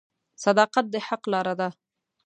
• صداقت د حق لاره ده.